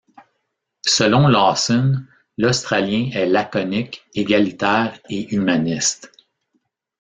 Selon Lawson, l’Australien est laconique, égalitaire et humaniste.